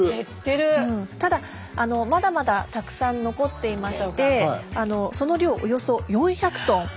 ただまだまだたくさん残っていましてその量およそ４００トン。